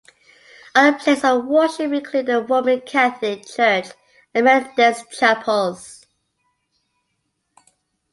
Other places of worship include a Roman Catholic church and Methodist chapels.